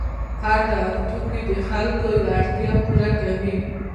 هر ډول توکي د خلکو یوه اړتیا پوره کوي.